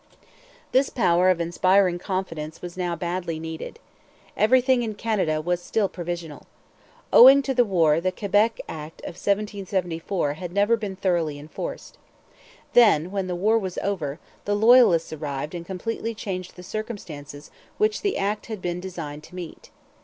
This power of inspiring confidence was now badly needed. Everything in Canada was still provisional. Owing to the war the Quebec Act of 1774 had never been thoroughly enforced. Then, when the war was over, the Loyalists arrived and completely changed the circumstances which the act had been designed to meet.